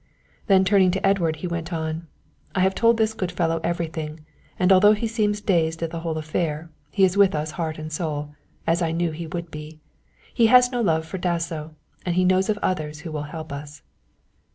Then turning to Edward, he went on, "I have told this good fellow everything, and although he seems dazed at the whole affair, he is with us heart and soul, as I knew he would be. He has no love for Dasso and he knows of others who will help us."